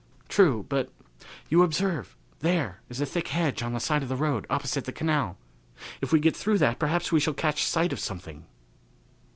"True, but you observe there is a thick hedge on the side of the road opposite the canal. If we get through that perhaps we shall catch sight of something."